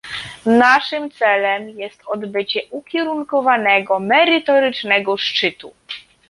Naszym celem jest odbycie ukierunkowanego, merytorycznego szczytu